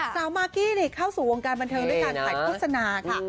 มากกี้เข้าสู่วงการบันเทิงด้วยการถ่ายโฆษณาค่ะ